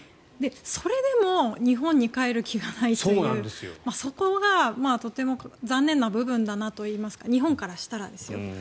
それでも日本に帰る気がないというそこがとても残念な部分だなといいますか日本からしたらですよ。